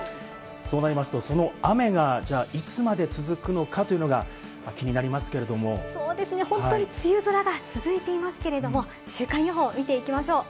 そうなりますと、その雨がいつまで続くのかというのが気になりますけれども、本当に梅雨空が続いていますけれども、週間予報見ていきましょう。